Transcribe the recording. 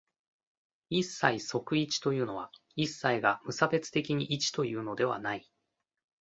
一切即一というのは、一切が無差別的に一というのではない。